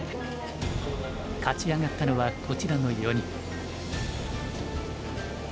勝ち上がったのはこちらの４人。